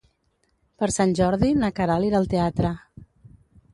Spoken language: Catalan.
Per Sant Jordi na Queralt irà al teatre.